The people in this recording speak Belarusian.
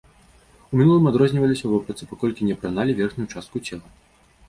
У мінулым адрозніваліся ў вопратцы, паколькі не апраналі верхнюю частку цела.